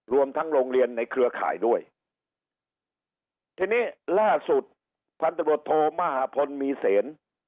รวมทั้งโรงเรียนในเครือข่ายด้วยทีนี้ล่าสุดพันธบทโทมหาพลมีเสน